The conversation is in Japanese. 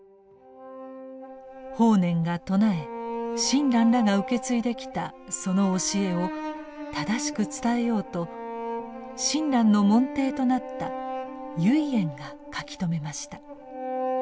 法然が唱え親鸞らが受け継いできたその教えを正しく伝えようと親鸞の門弟となった唯円が書き留めました。